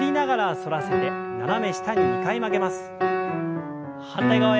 反対側へ。